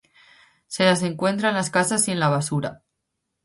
Se las encuentra en las casas y en la basura.